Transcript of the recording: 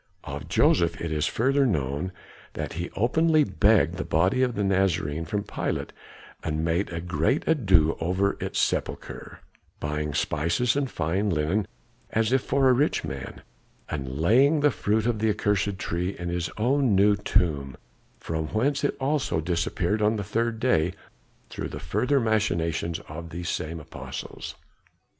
Of Joseph it is further known that he openly begged the body of the Nazarene from Pilate and made a great ado over its sepulture, buying spices and fine linen as if for a rich man, and laying the fruit of the accursed tree in his own new tomb, from whence it also disappeared on the third day through the further machinations of these same apostles."